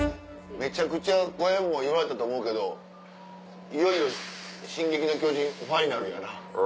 めちゃくちゃ小籔も言われたと思うけどいよいよ『進撃の巨人』ファイナルやな。